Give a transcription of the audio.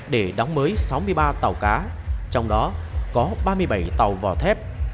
để đóng mới sáu mươi ba tàu cá trong đó có ba mươi bảy tàu vỏ thép